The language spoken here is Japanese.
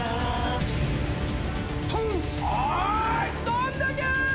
どんだけー。